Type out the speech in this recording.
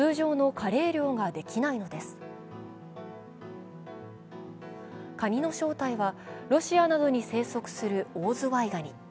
カニの正体はロシアなどに生息するオオズワイガニ。